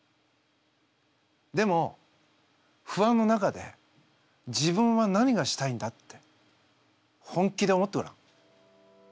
でも不安の中で自分は何がしたいんだって本気で思ってごらん。